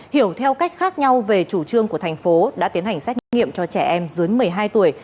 hiểu theo cách khác nhau về chủ trương của thành phố đã tiến hành xét nghiệm cho trẻ em dưới một mươi hai tuổi